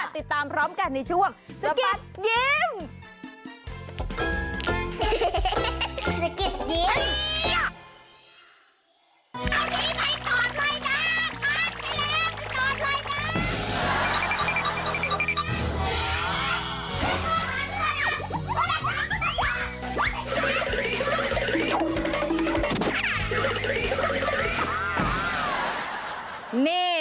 ติดตามพร้อมกันในช่วงสะบัดยิ้ม